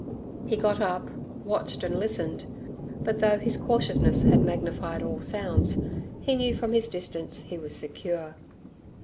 He got up, watched and listened, but though his cautiousness had magnified all sounds, he knew from his distance he was secure.